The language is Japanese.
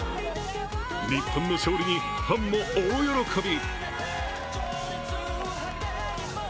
日本の勝利にファンも大喜び。